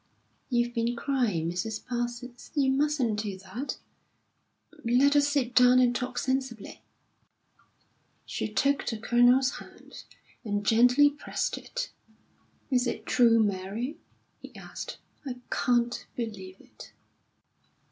"You've been crying, Mrs. Parsons. You mustn't do that.... Let us sit down and talk sensibly." She took the Colonel's hand, and gently pressed it. "Is it true, Mary?" he asked. "I can't believe it."